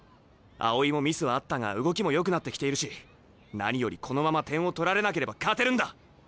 青井もミスはあったが動きもよくなってきているし何よりこのまま点を取られなければ勝てるんだ！